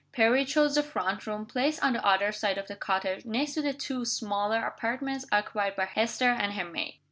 Perry chose the front room, placed on the other side of the cottage, next to the two smaller apartments occupied by Hester and her maid.